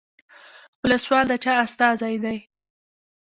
ولسوال د چا استازی دی؟